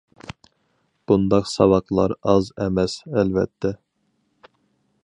بۇنداق ساۋاقلار ئاز ئەمەس، ئەلۋەتتە.